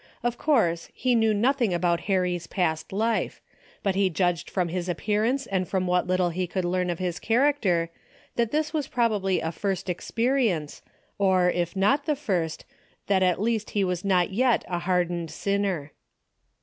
Of course, he knew nothing about Harry's past life, but he judged from his appearance and from what little he could 198 A DAILY rate:' learn of his character that this was probablj^ a first experience, or if not the first, that at least he was not yet a hardened sinner.